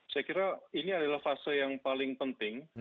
saya kira ini adalah fase yang paling penting